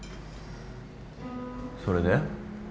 それで？